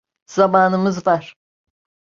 Zamanımız var.